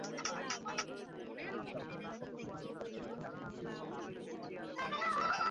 আর স্মারকলিপিতে সব কিছু লিপিবদ্ধ করে পরে তিনি আকাশমণ্ডলী ও পৃথিবী সৃষ্টি করেন।